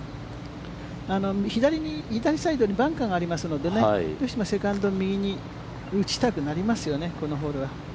左サイドにバンカーがありますのでね、どうしてもセカンド、右に打ちたくなりますよね、このホールは。